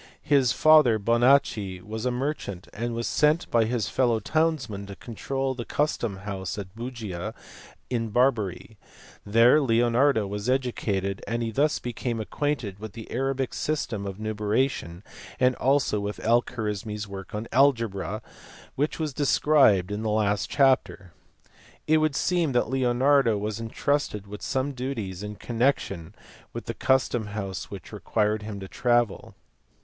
His father Boiiacci was a merchant, and was sent by his fellow townsmen to control the custom house at Bugia in Barbary ; there Leonardo was educated, and he thus became acquainted with the Arabic system of numeration as also with Alkarismi s work on algebra which was described in the last chapter. It would seem that Leonardo was entrusted with some duties in connection with the custom house which required him to travel.